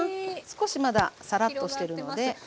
少しまださらっとしてるので。